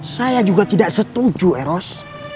saya juga tidak setuju eros